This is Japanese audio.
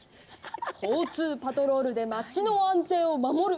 交通パトロールで街の安全を守る。